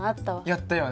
やったよね。